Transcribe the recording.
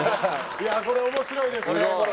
いやこれ面白いですね。